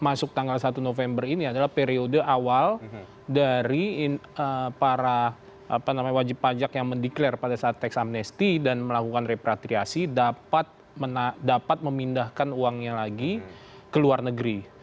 masuk tanggal satu november ini adalah periode awal dari para wajib pajak yang mendeklarasi pada saat teks amnesti dan melakukan repatriasi dapat memindahkan uangnya lagi ke luar negeri